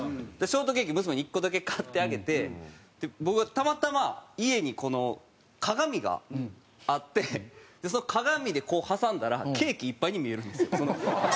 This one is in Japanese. ショートケーキ娘に１個だけ買ってあげて僕がたまたま家に鏡があってその鏡でこう挟んだらケーキいっぱいに見えるんですよ。